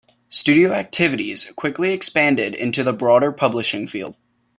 Studio activities quickly expanded into the broader publishing field.